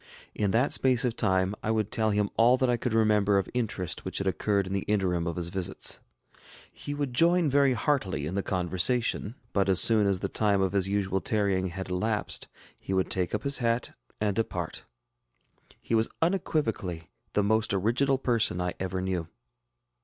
In that space of time I would tell him all that I could remember of interest which had occurred in the interim of his visits. He would join very heartily in the conversation; but as soon as the time of his usual tarrying had elapsed, he would take up his hat and depart. He was unequivocally the most original person I ever knew.